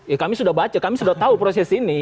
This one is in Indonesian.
ya kami sudah baca kami sudah tahu proses ini